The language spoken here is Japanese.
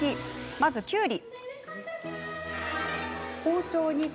まず、きゅうり。